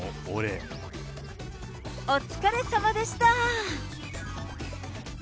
お疲れさまでした。